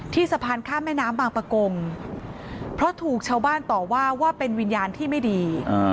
สะพานข้ามแม่น้ำบางประกงเพราะถูกชาวบ้านต่อว่าว่าเป็นวิญญาณที่ไม่ดี